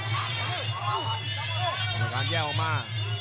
ประการแย่ออกมา